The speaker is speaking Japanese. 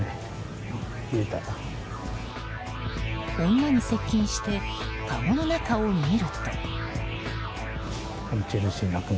女に接近してかごの中を見ると。